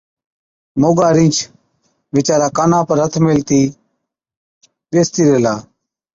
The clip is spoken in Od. موڳا رِينڇ ويچارا ڪانان پر هٿ ميهلتِي ٻيستِي ريهلا۔